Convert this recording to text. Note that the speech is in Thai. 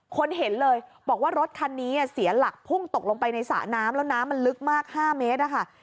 คนเห็นเลยบอกว่ารถคันนี้เสียหลักพุ่งตกลงไปในสระน้ำแล้วน้ำมันลึกมาก๕เมตรนะคะ